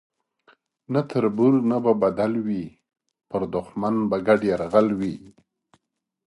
نه تربور نه به بدل وي پر دښمن به ګډ یرغل وي